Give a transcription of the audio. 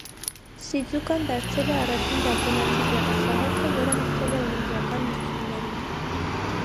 Սիձուկան դարձել է առաջին ճապոնացի գեղասահորդը, որը հաղթել է օլիմպիական մրցումներում։